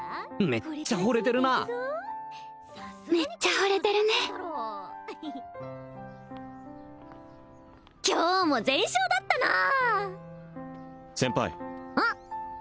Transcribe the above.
めっちゃホレてるなめっちゃホレてるね今日も全勝だったな先輩うん？